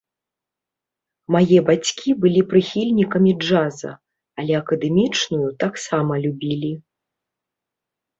Мае бацькі былі прыхільнікамі джаза, але акадэмічную таксама любілі.